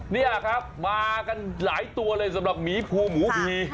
นี่ครับมากันหลายตัวเลยสำหรับหมีภูหมูพี